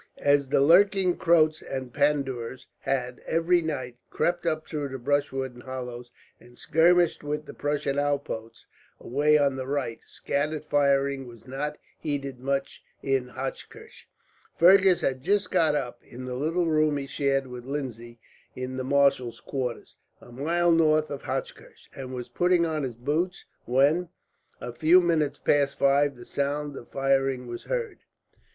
As the lurking Croats and Pandoors had, every night, crept up through the brushwood and hollows, and skirmished with the Prussian outposts away on the right, scattered firing was not heeded much in Hochkirch. Fergus had just got up, in the little room he shared with Lindsay in the marshal's quarters, a mile north of Hochkirch; and was putting on his boots when, a few minutes past five, the sound of firing was heard.